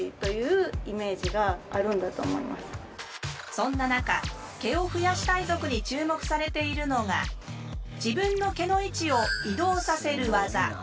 そんな中毛を増やしたい族に注目されているのが自分の毛の位置を移動させる技。